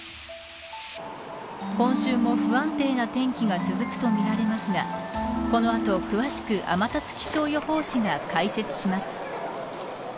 今週も不安定な天気が続くとみられますがこの後詳しく天達気象予報士が解説します。